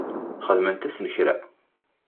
Xedment-asen kra?